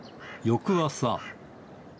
翌朝。